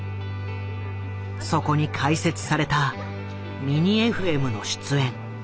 そこに開設されたミニＦＭの出演。